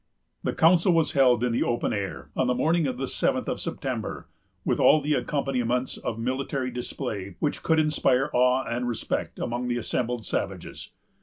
The council was held in the open air, on the morning of the seventh of September, with all the accompaniments of military display which could inspire awe and respect among the assembled savages.